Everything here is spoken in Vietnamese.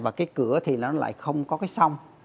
và cái cửa thì nó lại không có cái sông